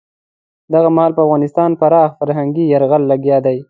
دغه مهال پر افغانستان پراخ فرهنګي یرغل لګیا دی.